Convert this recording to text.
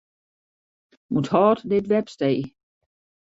Unthâld dit webstee.